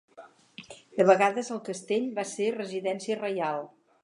De vegades el castell va ser residència reial.